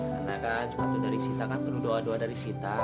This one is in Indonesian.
karena kan suatu dari sita kan perlu doa doa dari sita